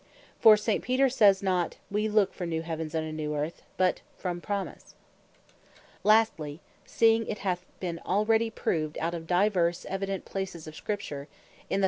For St. Peter saies not, "Wee look for new heavens, and a new earth, (from Nature) but from Promise." Lastly, seeing it hath been already proved out of divers evident places of Scripture, in the 35.